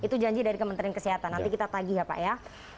itu janji dari kementerian kesehatan nanti kita tagih ya pak ya